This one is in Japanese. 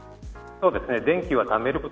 そうですね。